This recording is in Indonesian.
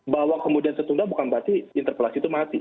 bahwa kemudian setunda bukan berarti interpelasi itu mati